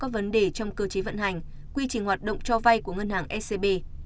các vấn đề trong cơ chế vận hành quy trình hoạt động cho vay của ngân hàng scb